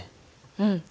うん。